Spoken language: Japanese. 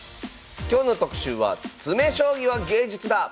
今日の特集は「詰将棋は芸術だ！」。